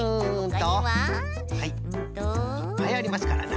いっぱいありますからな。